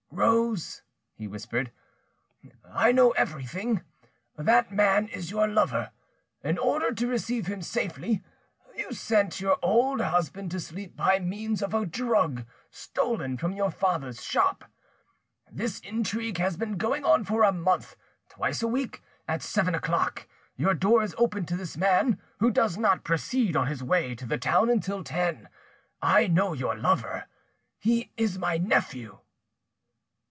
"Rose," he whispered, "I know everything: that man is your lover. In order to receive him safely, you send your old husband to sleep by means of a drug stolen from your father's shop. This intrigue has been going on for a month; twice a week, at seven o'clock, your door is opened to this man, who does not proceed on his way to the town until ten. I know your lover: he is my nephew."